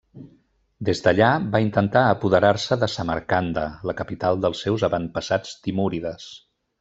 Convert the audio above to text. Des d'allà va intentar apoderar-se de Samarcanda, la capital dels seus avantpassats timúrides.